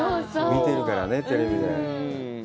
見てるからね、テレビで。